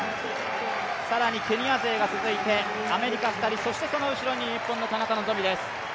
更にケニア勢が続いて、アメリカ２人、そしてその後ろに、日本の田中希実です。